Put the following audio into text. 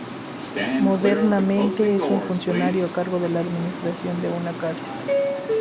Modernamente, es un funcionario a cargo de la administración de una cárcel.